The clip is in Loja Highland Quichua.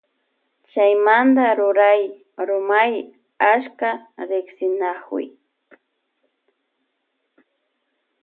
Chaymanta ruray rumay achka riksinakuy.